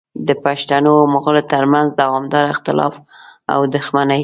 د پښتنو او مغولو ترمنځ دوامداره اختلافات او دښمنۍ